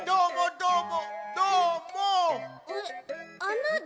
どーも。